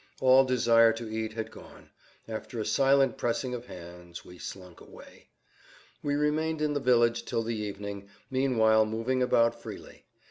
All desire to eat had gone; after a silent pressing of hands we slunk away. We remained in the village till the evening, meanwhile moving about freely.